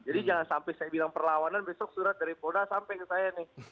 jadi jangan sampai saya bilang perlawanan besok surat dari pona sampai ke saya nih